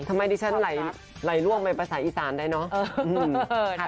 ทำไมดิฉันไหลล่วงไปภาษาอีสานได้เนอะ